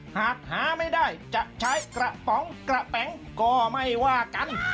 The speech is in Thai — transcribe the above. หากหาไม่ได้จะใช้กระป๋องกระแป๋งก็ไม่ว่ากัน